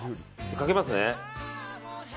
かけますね。